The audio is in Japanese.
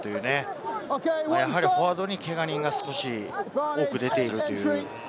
フォワードに、けが人が少し多く出ている。